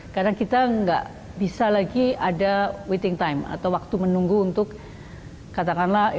karena kita nggak bisa lagi ada waiting time atau waktu menunggu untuk katakanlah